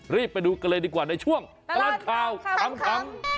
รีบไปดูกันเลยดีกว่าในช่วงตลอดข่าวขำ